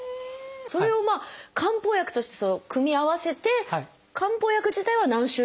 それを漢方薬として組み合わせて漢方薬自体は何種類ぐらいあるんですか？